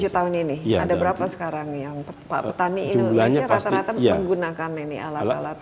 dalam tujuh tahun ini ada berapa sekarang yang petani ini rata rata menggunakan ini alat alat musim